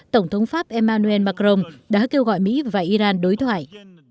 tổng thống pháp emmanuel macron đã kêu gọi mỹ và iran đối thoại